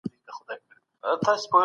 ګردسره مي ستا دا بې پروايي نه ده خوښه.